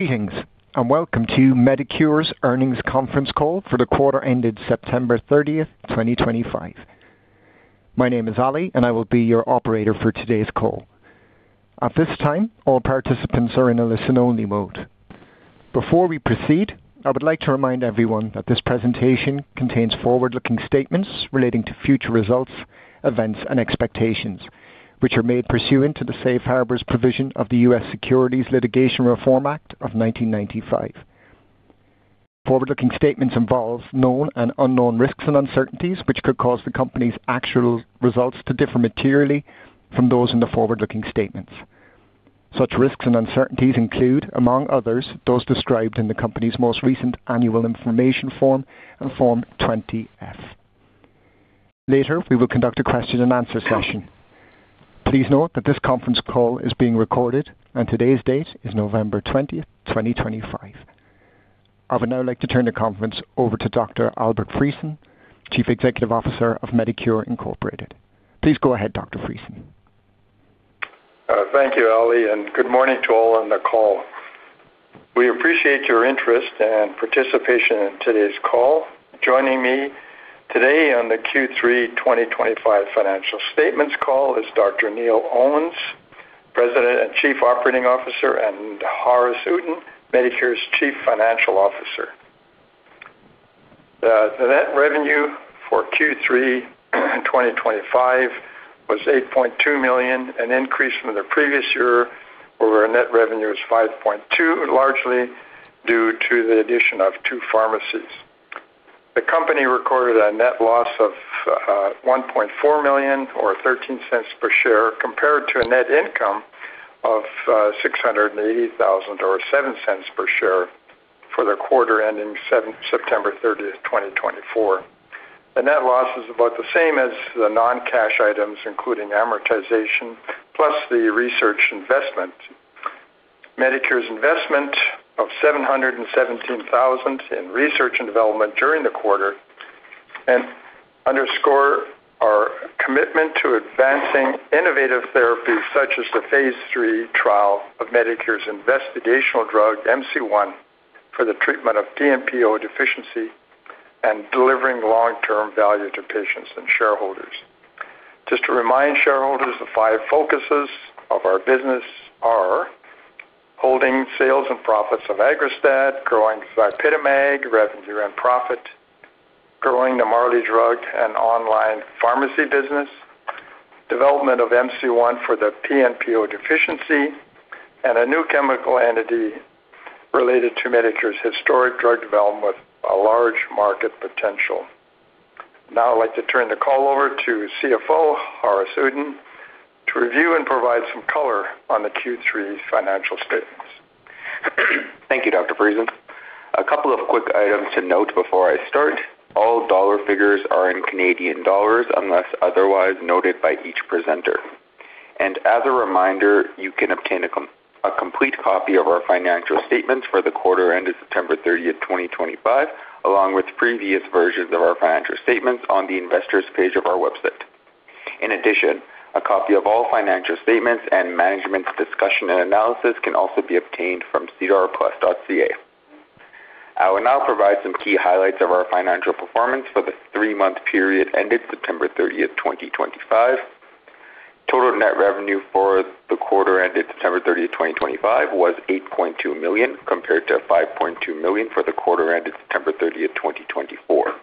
Greetings, and welcome to Medicure's earnings conference call for the quarter ended September 30, 2025. My name is Ali, and I will be your operator for today's call. At this time, all participants are in a listen-only mode. Before we proceed, I would like to remind everyone that this presentation contains forward-looking statements relating to future results, events, and expectations, which are made pursuant to the Safe Harbor Provision of the US Securities Litigation Reform Act of 1995. The forward-looking statements involve known and unknown risks and uncertainties, which could cause the company's actual results to differ materially from those in the forward-looking statements. Such risks and uncertainties include, among others, those described in the company's most recent annual information form and Form 20F. Later, we will conduct a question-and-answer session. Please note that this conference call is being recorded, and today's date is November 20, 2025. I would now like to turn the conference over to Dr. Albert Friesen, Chief Executive Officer of Medicure. Please go ahead, Dr. Friesen. Thank you, Ali, and good morning to all on the call. We appreciate your interest and participation in today's call. Joining me today on the Q3 2025 financial statements call is Dr. Neil Owens, President and Chief Operating Officer, and Haaris Uddin, Medicure's Chief Financial Officer. The net revenue for Q3 2025 was 8.2 million, an increase from the previous year, where our net revenue was 5.2 million, largely due to the addition of two pharmacies. The company recorded a net loss of 1.4 million, or 0.13 per share, compared to a net income of 680,000, or 0.07 per share, for the quarter ending September 30, 2024. The net loss is about the same as the non-cash items, including amortization, plus the research investment. Medicure's investment of 717,000 in research and development during the quarter underscores our commitment to advancing innovative therapies such as the phase III trial of Medicure's investigational drug, MC-1, for the treatment of PNPO deficiency and delivering long-term value to patients and shareholders. Just to remind shareholders, the five focuses of our business are holding sales and profits of Aggrastat, growing Zypitamag revenue and profit, growing the Marley Drug and online pharmacy business, development of MC-1 for the PNPO deficiency, and a new chemical entity related to Medicure's historic drug development with a large market potential. Now, I'd like to turn the call over to CFO Haaris Uddin to review and provide some color on the Q3 financial statements. Thank you, Dr. Friesen. A couple of quick items to note before I start. All dollar figures are in CAD unless otherwise noted by each presenter. As a reminder, you can obtain a complete copy of our financial statements for the quarter ended September 30, 2025, along with previous versions of our financial statements on the investors' page of our website. In addition, a copy of all financial statements and management's discussion and analysis can also be obtained from cdrplus.ca. I will now provide some key highlights of our financial performance for the three-month period ended September 30, 2025. Total net revenue for the quarter ended September 30, 2025, was 8.2 million, compared to 5.2 million for the quarter ended September 30, 2024.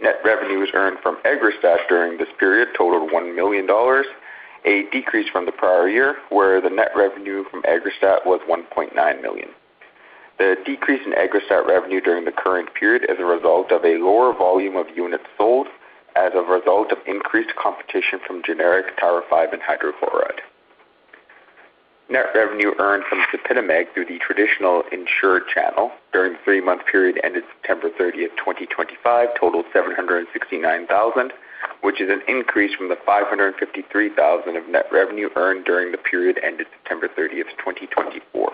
Net revenues earned from Aggrastat during this period totaled 1 million dollars, a decrease from the prior year, where the net revenue from Aggrastat was 1.9 million. The decrease in Aggrastat revenue during the current period is a result of a lower volume of units sold as a result of increased competition from generic Tirofiban and hydrochloride. Net revenue earned from Zypitamag through the traditional insured channel during the three-month period ended September 30th, 2025, totaled 769,000, which is an increase from the 553,000 of net revenue earned during the period ended September 30th, 2024.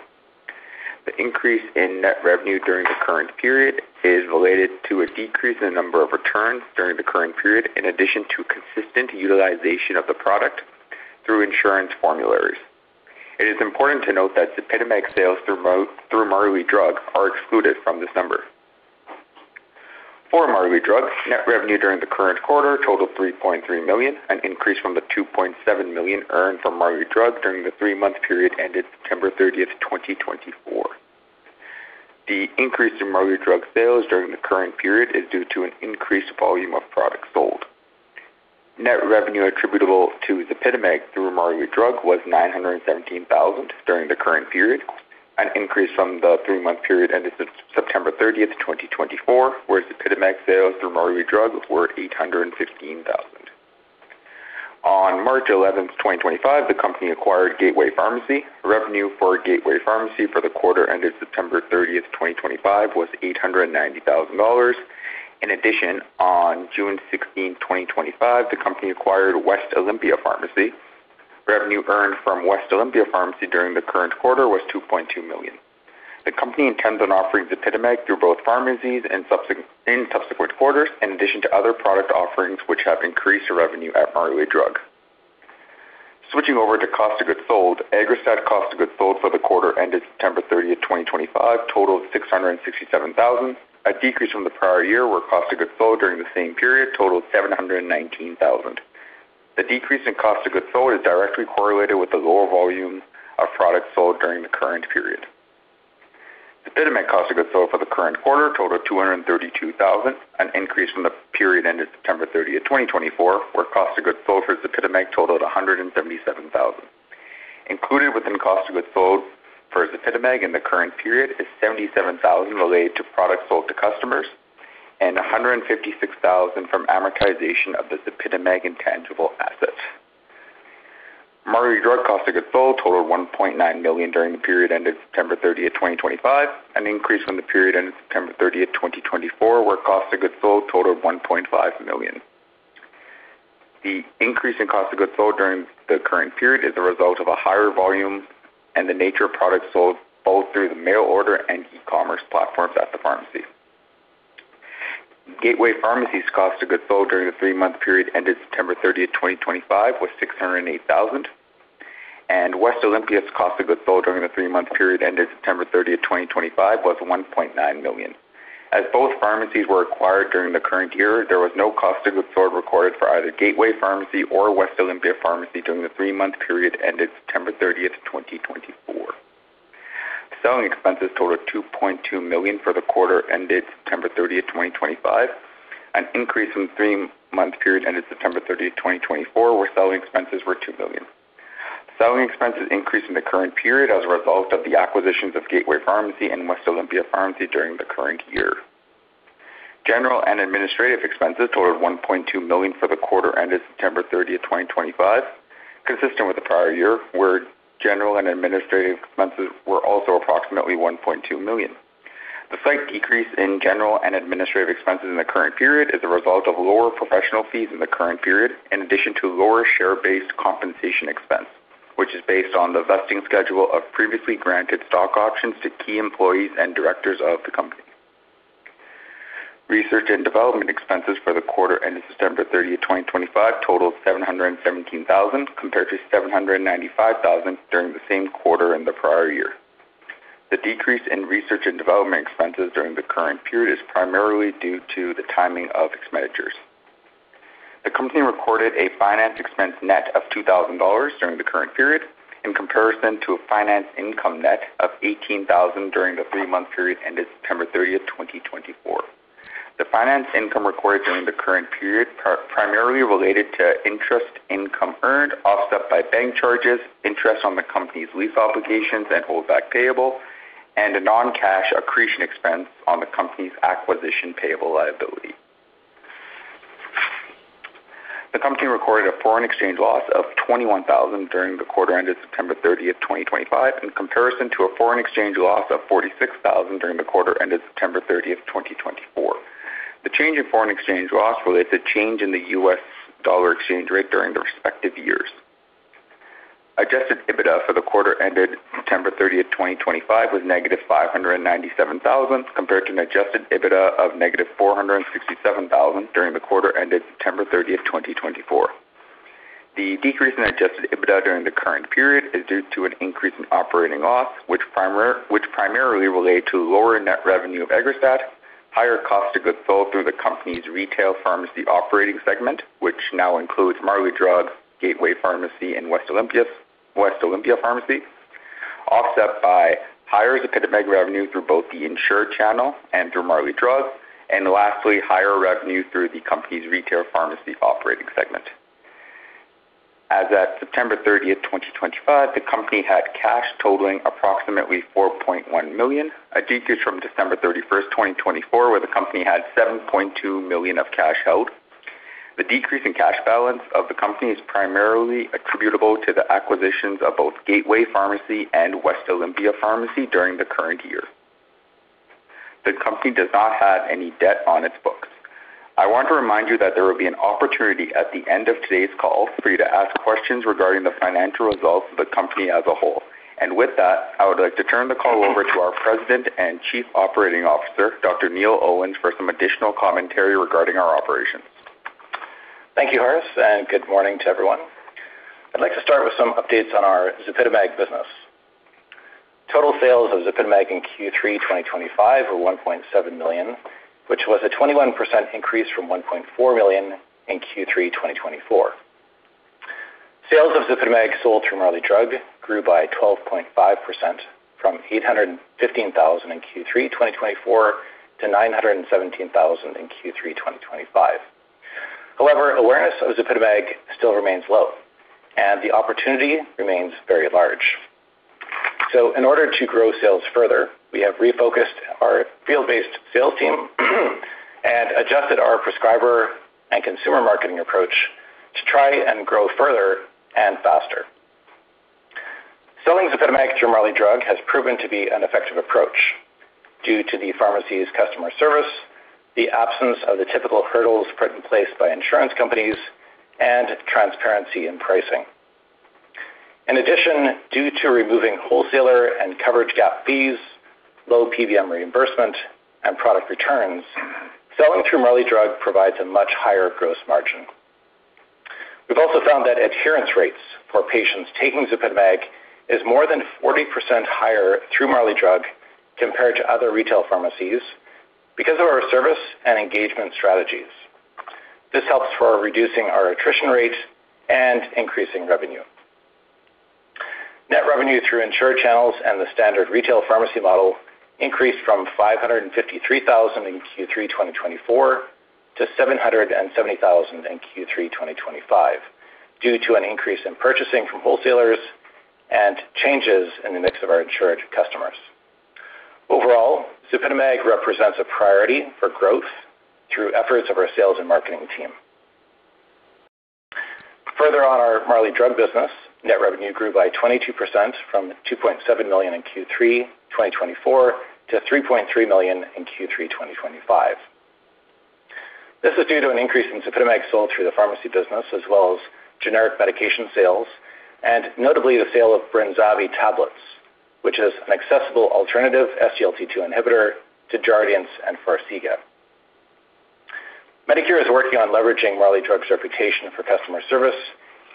The increase in net revenue during the current period is related to a decrease in the number of returns during the current period, in addition to consistent utilization of the product through insurance formularies. It is important to note that Zypitamag sales through Marley Drug are excluded from this number. For Marley Drug, net revenue during the current quarter totaled 3.3 million, an increase from the 2.7 million earned from Marley Drug during the three-month period ended September 30, 2024. The increase in Marley Drug sales during the current period is due to an increased volume of product sold. Net revenue attributable to ZYPITAMAG through Marley Drug was 917,000 during the current period, an increase from the three-month period ended September 30, 2024, where ZYPITAMAG sales through Marley Drug were 815,000. On March 11, 2025, the company acquired Gateway Medical Pharmacy. Revenue for Gateway Medical Pharmacy for the quarter ended September 30, 2025, was 890,000 dollars. In addition, on June 16, 2025, the company acquired West Olympia Pharmacy. Revenue earned from West Olympia Pharmacy during the current quarter was 2.2 million. The company intends on offering Zypitamag through both pharmacies in subsequent quarters, in addition to other product offerings which have increased revenue at Marley Drug. Switching over to cost of goods sold, Aggrastat cost of goods sold for the quarter ended September 30, 2025, totaled 667,000, a decrease from the prior year, where cost of goods sold during the same period totaled 719,000. The decrease in cost of goods sold is directly correlated with the lower volume of product sold during the current period. Zypitamag cost of goods sold for the current quarter totaled 232,000, an increase from the period ended September 30, 2024, where cost of goods sold for Zypitamag totaled 177,000. Included within cost of goods sold for Zypitamag in the current period is 77,000 related to product sold to customers and 156,000 from amortization of the Zypitamag intangible asset. Marley Drug cost of goods sold totaled 1.9 million during the period ended September 30, 2025, an increase from the period ended September 30, 2024, where cost of goods sold totaled 1.5 million. The increase in cost of goods sold during the current period is a result of a higher volume and the nature of product sold both through the mail order and e-commerce platforms at the pharmacy. Gateway Medical Pharmacy's cost of goods sold during the three-month period ended September 30, 2025, was 608,000, and West Olympia Pharmacy's cost of goods sold during the three-month period ended September 30, 2025, was 1.9 million. As both pharmacies were acquired during the current year, there was no cost of goods sold recorded for either Gateway Medical Pharmacy or West Olympia Pharmacy during the three-month period ended September 30, 2024. Selling expenses totaled 2.2 million for the quarter ended September 30, 2025, an increase from the three-month period ended September 30, 2024, where selling expenses were 2 million. Selling expenses increased in the current period as a result of the acquisitions of Gateway Medical Pharmacy and West Olympia Pharmacy during the current year. General and administrative expenses totaled 1.2 million for the quarter ended September 30, 2025, consistent with the prior year, where general and administrative expenses were also approximately 1.2 million. The slight decrease in general and administrative expenses in the current period is a result of lower professional fees in the current period, in addition to lower share-based compensation expense, which is based on the vesting schedule of previously granted stock options to key employees and directors of the company. Research and development expenses for the quarter ended September 30, 2025, totaled 717,000, compared to 795,000 during the same quarter in the prior year. The decrease in research and development expenses during the current period is primarily due to the timing of expenditures. The company recorded a finance expense net of 2,000 dollars during the current period, in comparison to a finance income net of 18,000 during the three-month period ended September 30, 2024. The finance income recorded during the current period primarily related to interest income earned offset by bank charges, interest on the company's lease obligations and holdback payable, and a non-cash accretion expense on the company's acquisition payable liability. The company recorded a foreign exchange loss of 21,000 during the quarter ended September 30, 2025, in comparison to a foreign exchange loss of 46,000 during the quarter ended September 30, 2024. The change in foreign exchange loss relates to change in the US dollar exchange rate during the respective years. Adjusted EBITDA for the quarter ended September 30, 2025, was negative 597,000, compared to an adjusted EBITDA of negative 467,000 during the quarter ended September 30, 2024. The decrease in adjusted EBITDA during the current period is due to an increase in operating loss, which primarily relates to lower net revenue of Aggrastat; higher cost of goods sold through the company's retail pharmacy operating segment, which now includes Marley Drug, Gateway Medical Pharmacy, and West Olympia Pharmacy, offset by higher Zypitamag revenue through both the insured channel and through Marley Drug; and lastly, higher revenue through the company's retail pharmacy operating segment. As of September 30, 2025, the company had cash totaling approximately 4.1 million, a decrease from December 31, 2024, where the company had 7.2 million of cash held. The decrease in cash balance of the company is primarily attributable to the acquisitions of both Gateway Medical Pharmacy and West Olympia Pharmacy during the current year. The company does not have any debt on its books. I want to remind you that there will be an opportunity at the end of today's call for you to ask questions regarding the financial results of the company as a whole. I would like to turn the call over to our President and Chief Operating Officer, Dr. Neil Owens, for some additional commentary regarding our operations. Thank you, Haaris, and good morning to everyone. I'd like to start with some updates on our Zypitamag business. Total sales of Zypitamag in Q3 2025 were 1.7 million, which was a 21% increase from 1.4 million in Q3 2024. Sales of Zypitamag sold through Marley Drug grew by 12.5% from 815,000 in Q3 2024 to 917,000 in Q3 2025. However, awareness of Zypitamag still remains low, and the opportunity remains very large. In order to grow sales further, we have refocused our field-based sales team and adjusted our prescriber and consumer marketing approach to try and grow further and faster. Selling Zypitamag through Marley Drug has proven to be an effective approach due to the pharmacy's customer service, the absence of the typical hurdles put in place by insurance companies, and transparency in pricing. In addition, due to removing wholesaler and coverage gap fees, low PBM reimbursement, and product returns, selling through Marley Drug provides a much higher gross margin. We've also found that adherence rates for patients taking Zypitamag is more than 40% higher through Marley Drug compared to other retail pharmacies because of our service and engagement strategies. This helps for reducing our attrition rate and increasing revenue. Net revenue through insured channels and the standard retail pharmacy model increased from 553,000 in Q3 2024 to 770,000 in Q3 2025 due to an increase in purchasing from wholesalers and changes in the mix of our insured customers. Overall, Zypitamag represents a priority for growth through efforts of our sales and marketing team. Further on our Marley Drug business, net revenue grew by 22% from 2.7 million in Q3 2024 to 3.3 million in Q3 2025. This is due to an increase in Zypitamag sold through the pharmacy business, as well as generic medication sales, and notably the sale of Brenzavvy tablets, which is an accessible alternative SGLT2 inhibitor to Jardiance and Farxiga. Medicure is working on leveraging Marley Drug's reputation for customer service,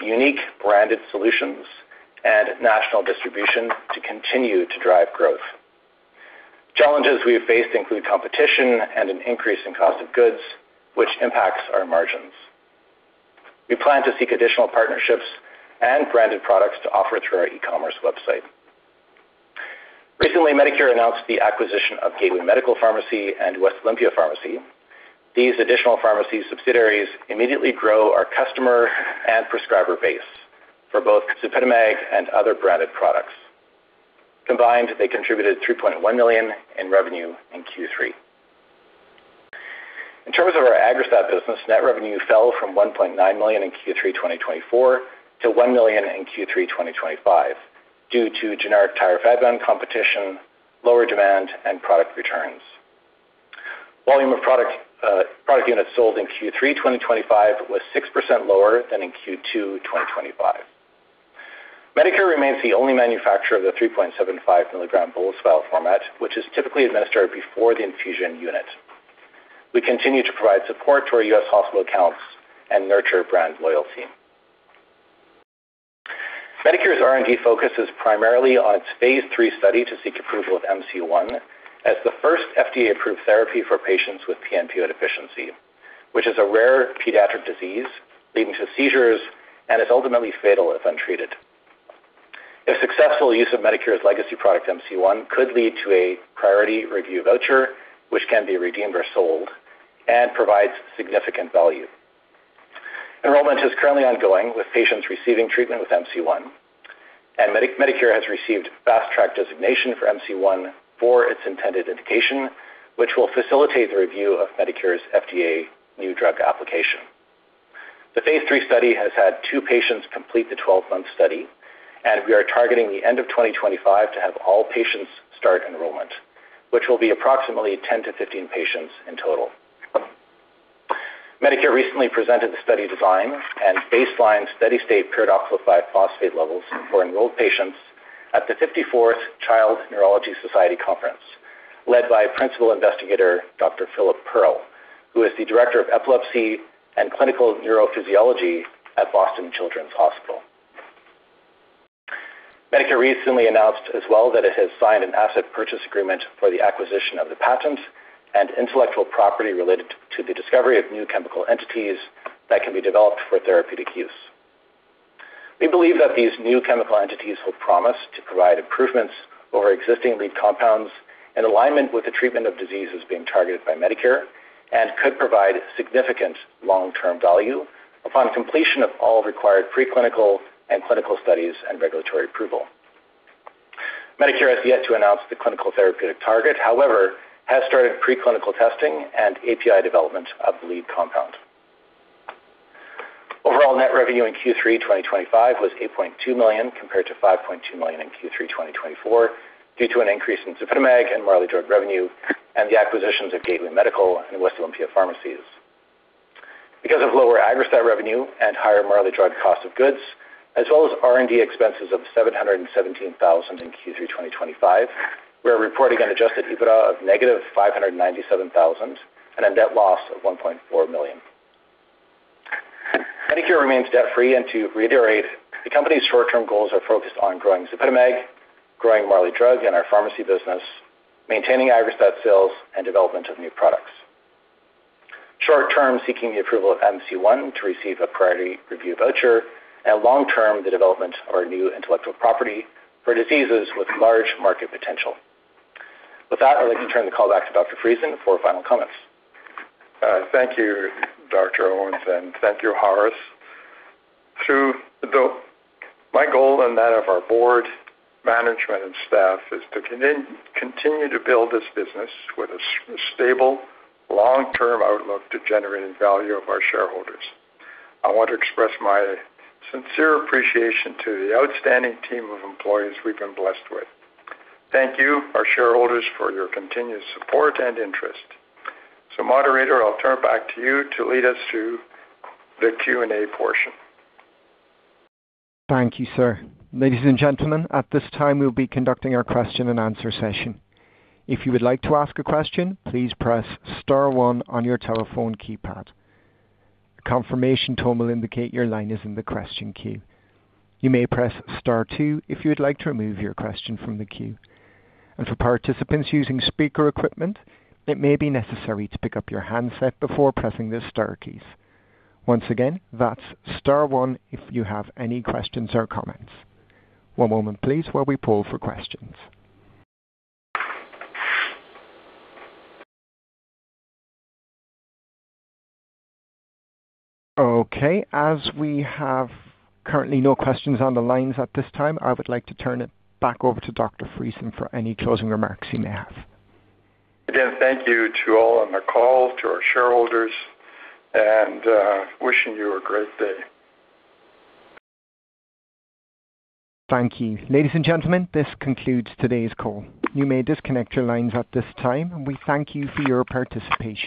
unique branded solutions, and national distribution to continue to drive growth. Challenges we've faced include competition and an increase in cost of goods, which impacts our margins. We plan to seek additional partnerships and branded products to offer through our e-commerce website. Recently, Medicure announced the acquisition of Gateway Medical Pharmacy and West Olympia Pharmacy. These additional pharmacy subsidiaries immediately grow our customer and prescriber base for both Zypitamag and other branded products. Combined, they contributed 3.1 million in revenue in Q3. In terms of our Aggrastat business, net revenue fell from 1.9 million in Q3 2024 to 1 million in Q3 2025 due to generic Tirofiban competition, lower demand, and product returns. Volume of product units sold in Q3 2025 was 6% lower than in Q2 2025. Medicure remains the only manufacturer of the 3.75 milligram bolus vial format, which is typically administered before the infusion unit. We continue to provide support to our US hospital accounts and nurture brand loyalty. Medicure's R&D focus is primarily on its phase III study to seek approval of MC-1 as the first FDA-approved therapy for patients with PNPO deficiency, which is a rare pediatric disease leading to seizures and is ultimately fatal if untreated. If successful, use of Medicure's legacy product MC-1 could lead to a priority review voucher, which can be redeemed or sold and provides significant value. Enrollment is currently ongoing with patients receiving treatment with MC-1, and Medicure has received fast-track designation for MC-1 for its intended indication, which will facilitate the review of Medicure's FDA new drug application. The phase III study has had two patients complete the 12-month study, and we are targeting the end of 2025 to have all patients start enrollment, which will be approximately 10-15 patients in total. Medicure recently presented the study design and baseline steady-state pyridoxal phosphate levels for enrolled patients at the 54th Child Neurology Society Conference, led by Principal Investigator Dr. Philip Pearl, who is the Director of Epilepsy and Clinical Neurophysiology at Boston Children's Hospital. Medicure recently announced as well that it has signed an asset purchase agreement for the acquisition of the patent and intellectual property related to the discovery of new chemical entities that can be developed for therapeutic use. We believe that these new chemical entities will promise to provide improvements over existing lead compounds in alignment with the treatment of diseases being targeted by Medicure and could provide significant long-term value upon completion of all required preclinical and clinical studies and regulatory approval. Medicure has yet to announce the clinical therapeutic target; however, it has started preclinical testing and API development of the lead compound. Overall net revenue in Q3 2025 was 8.2 million compared to 5.2 million in Q3 2024 due to an increase in Zypitamag and Marley Drug revenue and the acquisitions of Gateway Medical and West Olympia Pharmacy. Because of lower Aggrastat revenue and higher Marley Drug cost of goods, as well as R&D expenses of 717,000 in Q3 2025, we are reporting an adjusted EBITDA of negative 597,000 and a net loss of 1.4 million. Medicure remains debt-free, and to reiterate, the company's short-term goals are focused on growing Zypitamag, growing Marley Drug and our pharmacy business, maintaining Aggrastat sales, and development of new products. Short-term, seeking the approval of MC-1 to receive a priority review voucher, and long-term, the development of our new intellectual property for diseases with large market potential. With that, I'd like to turn the call back to Dr. Friesen for final comments. Thank you, Dr. Owens, and thank you, Haaris. My goal and that of our board, management, and staff is to continue to build this business with a stable, long-term outlook to generate value for our shareholders. I want to express my sincere appreciation to the outstanding team of employees we've been blessed with. Thank you, our shareholders, for your continued support and interest. Moderator, I'll turn it back to you to lead us through the Q&A portion. Thank you, sir. Ladies and gentlemen, at this time, we'll be conducting our question-and-answer session. If you would like to ask a question, please press star one on your telephone keypad. A confirmation tone will indicate your line is in the question queue. You may press star two if you would like to remove your question from the queue. For participants using speaker equipment, it may be necessary to pick up your handset before pressing the star keys. Once again, that's star one if you have any questions or comments. One moment, please, while we poll for questions. Okay. As we have currently no questions on the lines at this time, I would like to turn it back over to Dr. Friesen for any closing remarks he may have. Again, thank you to all on the call, to our shareholders, and wishing you a great day. Thank you. Ladies and gentlemen, this concludes today's call. You may disconnect your lines at this time, and we thank you for your participation.